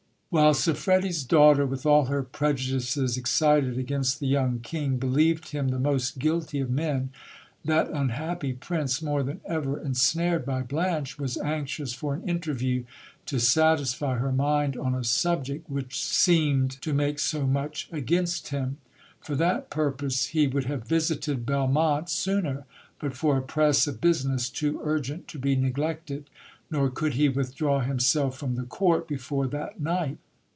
While Siffredi's daughter, with all her prejudices excited against the young king, believed him the most guilty of men, that unhappy prince, more than ever e isnared by Blanche, was anxious for an interview, to satisfy her mind on a subject which seemed to make so much against him. For that purpose he \\ ould have visited Belmonte sooner, but for a press of business too urgent to b 2 neglected ; nor could he withdraw himself from the court before that night.